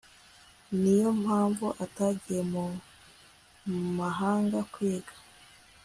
Niyo mpamvu atagiye mu mahanga kwiga